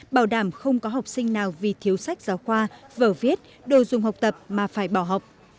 bảo đảm không có học sinh nào vì thiếu sách giáo khoa vở viết đồ dùng học tập mà phải bỏ học